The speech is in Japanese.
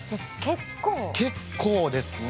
結構ですね。